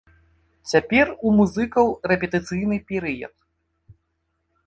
Цяпер у музыкаў рэпетыцыйны перыяд.